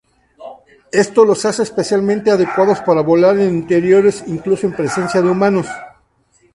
Esto los hace especialmente adecuados para volar en interiores, incluso en presencia de humanos.